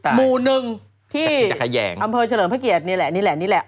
หมู่หนึ่งที่อำเภอเฉลิมพระเกียรตินี่แหละนี่แหละนี่แหละ